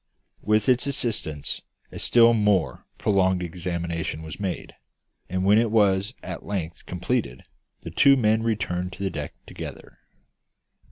With its assistance a still more prolonged examination was made; and when it was at length completed, the two men returned to the deck together.